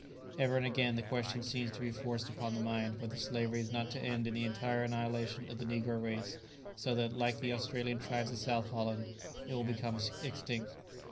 Ever and again the question seems to be forced upon the mind whether slavery is not to end in the entire annihilation of the negro race, so that, like the Australian tribes of South Holland, it will become extinct.